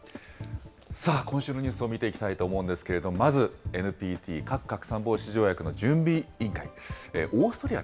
さあ、今週のニュースを見ていきたいと思うんですけれども、まずＮＰＴ・核拡散防止条約の準備委員会。